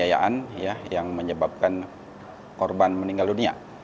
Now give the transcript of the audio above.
pengayaan yang menyebabkan korban meninggal dunia